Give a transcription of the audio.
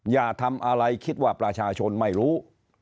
อย่าทำอะไรคิดว่าประชาชนไม่รู้